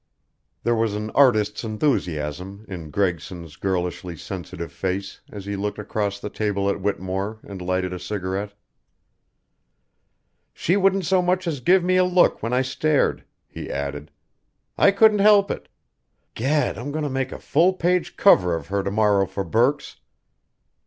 There was an artist's enthusiasm in Gregson's girlishly sensitive face as he looked across the table at Whittemore and lighted a cigarette. "She wouldn't so much as give me a look when I stared," he added. "I couldn't help it. Gad, I'm going to make a full page 'cover' of her to morrow for Burke's.